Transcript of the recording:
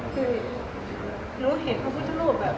คือหนูเห็นพระพุทธรูปแบบ